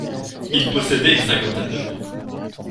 Il possédait une cinquantaine de francs.